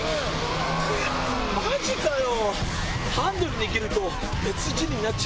マジかよ